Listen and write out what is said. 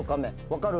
分かる？